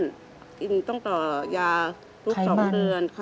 กินตรงต่อยาครุฑสองเดือนค่ะ